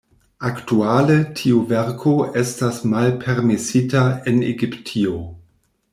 Aktuale tiu verko estas malpermesita en Egiptio.